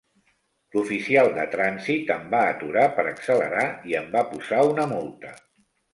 L'oficial de trànsit em va aturar per accelerar i em va posar una multa.